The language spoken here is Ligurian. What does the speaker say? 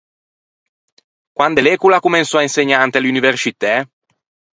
Quande l’é ch’o l’à comensou à insegnâ inte l’universcitæ?